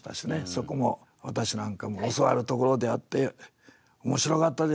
そこも私なんかも教わるところであって面白かったです。